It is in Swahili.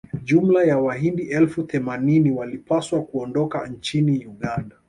jumla ya wahidi elfu themanini walipaswa kuondoka nchini uganda